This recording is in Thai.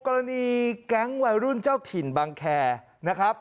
กรณีแก๊งวัยรุ่นเจ้าถิ่นบางแคร์นะครับ